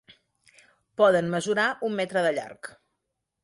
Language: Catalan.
Poden mesurar un metre de llarg.